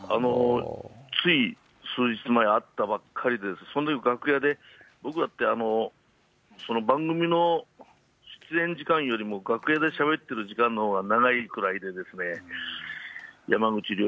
つい数日前会ったばっかりで、そのとき、楽屋で、僕らって、番組の出演時間よりも楽屋でしゃべってる時間のほうが長いくらいでですね、山口りょう